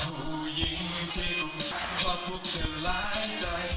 ผู้หญิงที่ต้องจัดขอบพวกเธอร้ายใจ